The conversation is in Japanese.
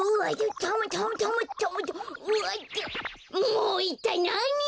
もういったいなに！？